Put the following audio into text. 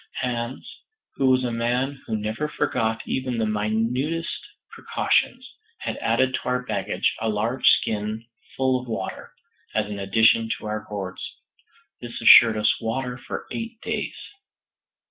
Hans, who was a man who never forgot even the minutest precautions, had added to our baggage a large skin full of water, as an addition to our gourds. This assured us water for eight days.